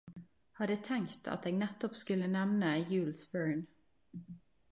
Hadde tenkt at eg nettopp skulle nemne Jules Verne.